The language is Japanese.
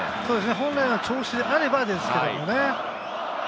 本来の調子であればですけどね。